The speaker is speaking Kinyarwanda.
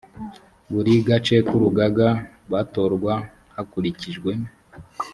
buri gace k urugaga batorwa hakurikijwe